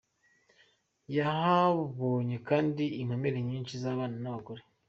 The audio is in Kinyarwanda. Yahabonye kandi inkomere nyinshi z’abana n’abagore.